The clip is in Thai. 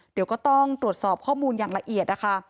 เดี๋ยวก็ต้องตรวจสอบข้อมูลอย่างละเอียดนะคะ